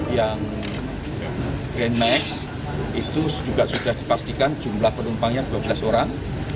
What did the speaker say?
yang grand max itu juga sudah dipastikan jumlah penumpangnya dua belas orang